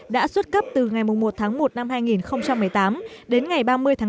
đã xuất cấp từ ngày một một hai nghìn một mươi tám đến ngày ba mươi bốn hai nghìn một mươi chín